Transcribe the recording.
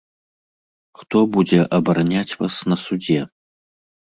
Хто будзе абараняць вас на судзе?